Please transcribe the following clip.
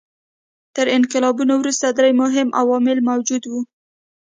تر انقلابونو وروسته درې مهم عوامل موجود وو.